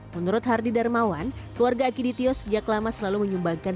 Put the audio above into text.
menurut hardy darmawan keluarga akiditio sejak lama selalu menyumbangkan